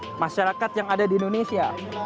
jadi ini adalah masyarakat yang ada di indonesia